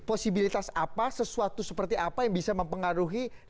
posibilitas apa sesuatu seperti apa yang bisa mempengaruhi